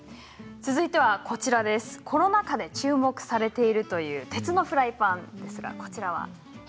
コロナ禍で注目されているという鉄のフライパンこちらは。